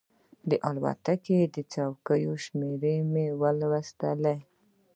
د الوتکې د څوکیو شمېره مې لوستله.